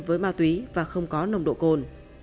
với ma túy và không có nồng độ cồn